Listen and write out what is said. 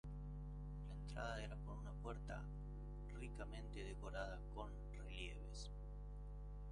La entrada era por una puerta ricamente decorada con relieves.